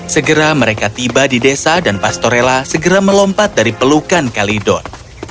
segera mereka tiba di desa dan pastorella segera melompat dari pelukan kalidor